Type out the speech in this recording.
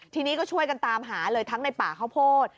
ทีนี้ก็ช่วยกันตามหาเลยทั้งในป่าข้าวโพด